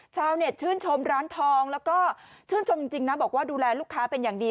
ชาวเน็ตชื่นชมร้านทองแล้วก็ชื่นชมจริงนะบอกว่าดูแลลูกค้าเป็นอย่างดี